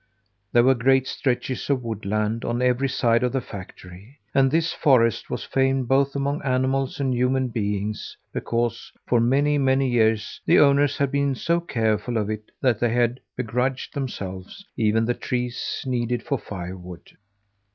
There were great stretches of woodland on every side of the factory, and this forest was famed both among animals and human beings because for many, many years the owners had been so careful of it that they had begrudged themselves even the trees needed for firewood.